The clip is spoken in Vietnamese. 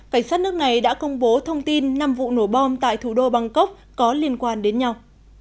cảnh sát nước này đã công bố thông tin năm vụ nổ bom tại thủ đô bangkok có liên quan đến nhau